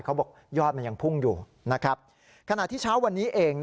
เขาบอกยอดมันยังพุ่งอยู่นะครับขณะที่เช้าวันนี้เอง